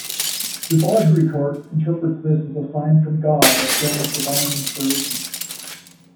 De Baudricourt interprets this as a sign from God of Joan's divine inspiration.